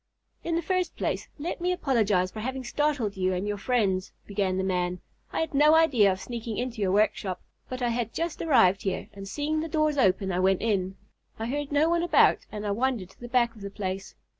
"In the first place, let me apologize for having startled you and your friends," began the man. "I had no idea of sneaking into your workshop, but I had just arrived here, and seeing the doors open I went in. I heard no one about, and I wandered to the back of the place.